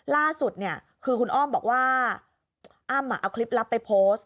ล่าสุดเนี่ยคือคุณอ้อมบอกว่าอ้ำเอาคลิปลับไปโพสต์